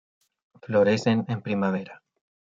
Florecen en primavera.